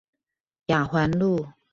雅環路